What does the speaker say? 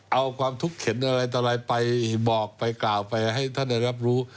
เอาความทุกข์เข็นอะไรตลายไปบอกไปก่าวไปไฟให้ท่านยาวรับรู้